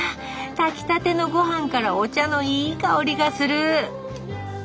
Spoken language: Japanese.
炊きたての御飯からお茶のいい香りがする！